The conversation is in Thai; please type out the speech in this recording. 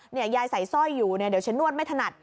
ยายใส่สร้อยอยู่เนี่ยเดี๋ยวฉันนวดไม่ถนัด